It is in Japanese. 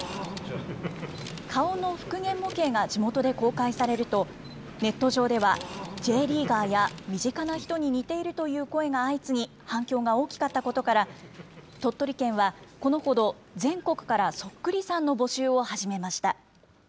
顔の復元模型が地元で公開されると、ネット上では、Ｊリーガーや、身近な人に似ているという声が相次ぎ、反響が大きかったことから、鳥取県はこのほど、全国からそっくりさんの募集を始めました。